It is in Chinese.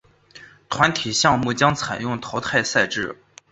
团体项目将采用淘汰赛制。